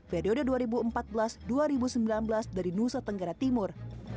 periode dua ribu empat belas dua ribu sembilan belas dari nusa tenggara timur